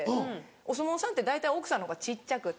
お相撲さんって大体奥さんの方が小っちゃくて。